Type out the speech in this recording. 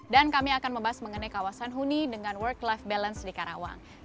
dan kami akan membahas mengenai kawasan huni dengan work life balance di karawang